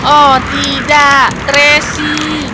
oh tidak tracy